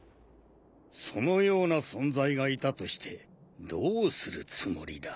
そのような存在がいたとしてどうするつもりだ。